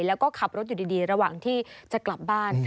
แล้วก็ขับรถอยู่ดีระหว่างที่จะกลับบ้าน